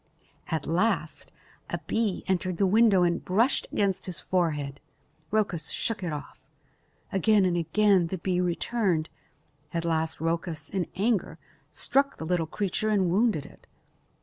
At last a bee entered the window and brushed against his forehead. Rhoecus shook it off. Again and again the bee returned. At last Rhoecus, in anger, struck the little creature and wounded it.